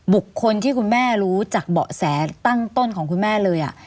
บุคคลที่คุณแม่รู้จากเบาะแสตั้งต้นของคุณแม่เลย